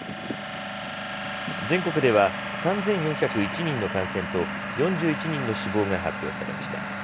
全国では３４０１人の感染と、４１人の死亡が発表されました。